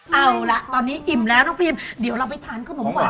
เอาละตอนนี้อิ่มแล้วน้องพีมเดี๋ยวเราไปทานขนมหวาน